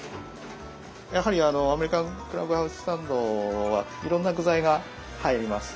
やはりあのアメリカンクラブハウスサンドはいろんな具材が入ります。